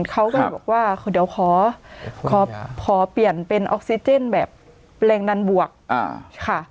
เขาก็เลยบอกว่าเดี๋ยวขอเปลี่ยนเป็นออกซิเจนแบบแรงดันบวกค่ะ